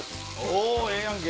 おおーええやんけ！